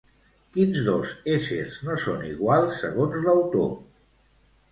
Quins dos éssers no són iguals, segons l'autor?